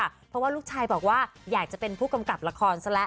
เพราะว่าลูกชายบอกว่าอยากจะเป็นผู้กำกับละครซะแล้ว